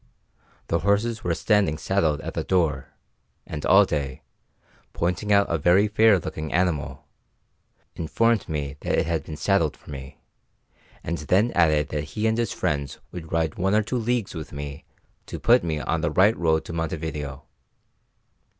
The horses were standing saddled at the door, and Alday, pointing out a very fair looking animal, informed me that it had been saddled for me, and then added that he and his friends would ride one or two leagues with me to put me on the right road to Montevideo.